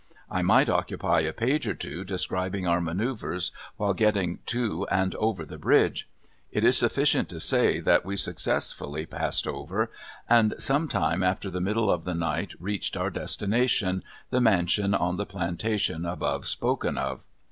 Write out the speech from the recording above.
I might occupy a page or two describing our manoeuvers while getting to and over the bridge. It is sufficient to say that we successfully passed over, and some time after the middle of the night reached our destination, the mansion on the plantation above spoken of.